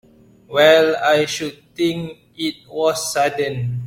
Well I should think it was sudden!